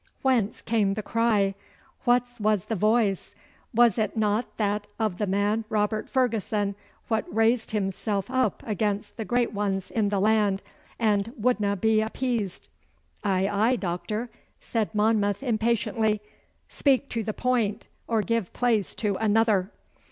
Whence came the cry? Wha's was the voice? Was it no that o' the man Robert Ferguson, wha raised himsel' up against the great ones in the land, and wouldna be appeased?' 'Aye, aye, Doctor,' said Monmouth impatiently. 'Speak to the point, or give place to another.